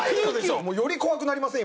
より怖くなりません？